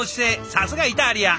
さすがイタリア！